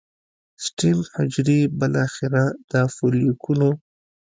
سټیم حجرې بالاخره د فولیکونو